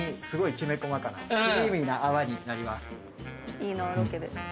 「いいなロケで」